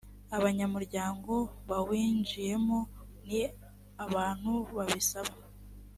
abanyamuryango bawinjiyemo ni abantu babisaba